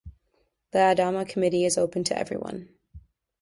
The Adama Committee is open to everyone.